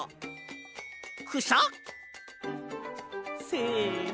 せの。